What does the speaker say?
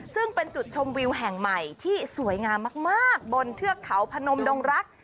ซึ่งเป็นจุดชมวิวแห่งใหม่ที่สวยงามมากบนเทือกเขาพนมดงรัก